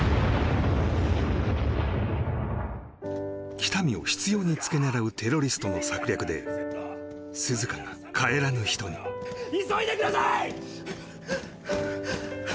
喜多見を執拗に付け狙うテロリストの策略で涼香が帰らぬ人に急いでください！